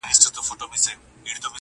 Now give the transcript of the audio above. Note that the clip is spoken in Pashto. ما درته نه ويل لمنه به دي اور واخلي؟ ته